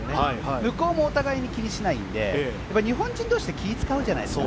向こうもお互いに気にしないので日本人同士って気を使うじゃないですか。